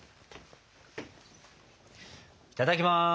いただきます！